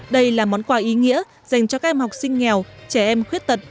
đây là món quà ý nghĩa dành cho các em học sinh nghèo trẻ em khuyết tật